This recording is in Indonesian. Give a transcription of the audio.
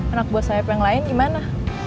anak buah sayap yang lain gimana